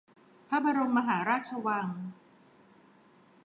พระบรมมหาราชวัง